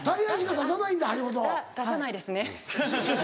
出さないんだね？